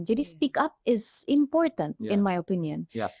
jadi speak up adalah penting menurut saya